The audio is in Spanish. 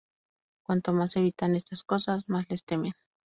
Cuanto más evitan estas cosas, más les temen.